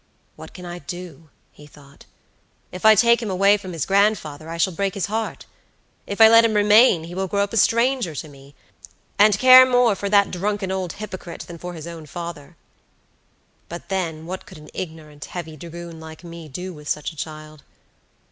"What can I do?" he thought. "If I take him away from his grandfather, I shall break his heart; if I let him remain, he will grow up a stranger to me, and care more for that drunken old hypocrite than for his own father. But then, what could an ignorant, heavy dragoon like me do with such a child?